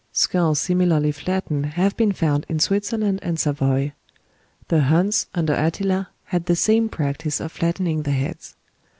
Skulls similarly flattened have been found in Switzerland and Savoy. The Huns under Attila had the same practice of flattening the heads.